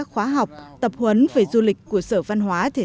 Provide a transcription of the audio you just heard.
tạo nên một vẻ đẹp của phố trong bản